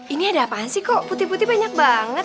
ini ada apaan sih kok putih putih banyak banget